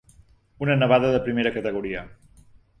Una nevada de primera categoria.